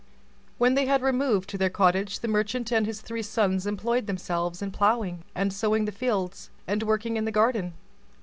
When they had removed to their cottage, the merchant and his three sons employed themselves in ploughing and sowing the fields, and working in the garden.